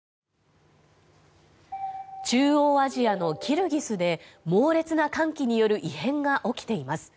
中央アジアのキルギスで猛烈な寒気による異変が起きています。